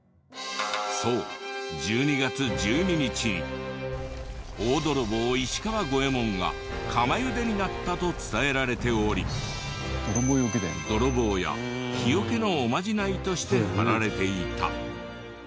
そう１２月１２日に大泥棒石川五右衛門が釜ゆでになったと伝えられており泥棒や火除けのおまじないとして貼られていた。